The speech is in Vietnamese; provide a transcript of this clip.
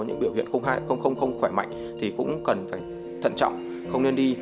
những biểu hiện không khỏe mạnh thì cũng cần phải thận trọng không nên đi